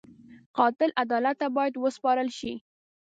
قاتل عدالت ته باید وسپارل شي